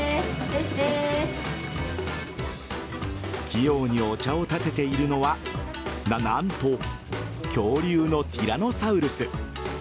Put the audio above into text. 器用にお茶をたてているのは何と恐竜のティラノサウルス。